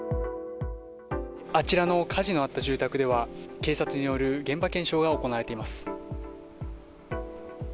あちらの火事のあった住宅では警察による現場検証が行われています。